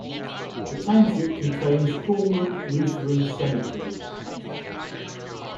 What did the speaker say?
The township contains Cormorant Lutheran Cemetery.